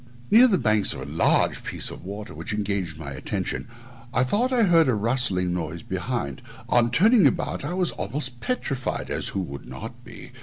Near the banks of a large piece of water, which had engaged my attention, I thought I heard a rustling noise behind; on turning about I was almost petrified (as who would not be?)